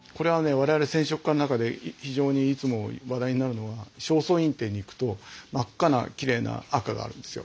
我々染色家の中で非常にいつも話題になるのは正倉院展に行くと真っ赤なきれいな赤があるんですよ。